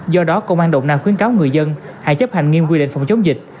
do đó công an đồng nai khuyến cáo người dân hãy chấp hành nghiêm quy định phòng chống dịch